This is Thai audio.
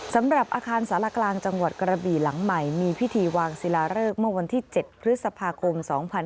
สำหรับอาคารสารกลางจังหวัดกระบี่หลังใหม่มีพิธีวางศิลาเริกเมื่อวันที่๗พฤษภาคม๒๕๕๙